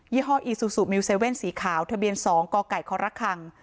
ี่ห้ออีซูซูมิวเซเว่นสีขาวทะเบียน๒กไก่ครคัง